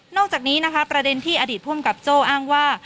จากนี้นะคะประเด็นที่อดีตภูมิกับโจ้อ้างว่า